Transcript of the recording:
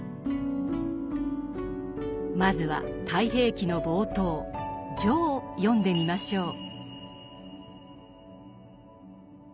まずは「太平記」の冒頭「序」を読んでみましょう。